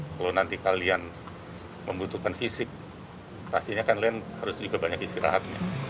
kalau nanti kalian membutuhkan fisik pastinya kalian harus juga banyak istirahatnya